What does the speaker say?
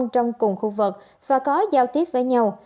trong cùng khu vực và có giao tiếp với nhau